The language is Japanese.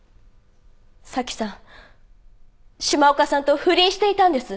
早紀さん島岡さんと不倫していたんです。